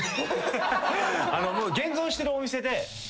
現存してるお店で。